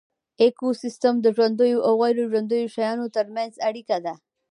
ایکوسیستم د ژوندیو او غیر ژوندیو شیانو ترمنځ اړیکه ده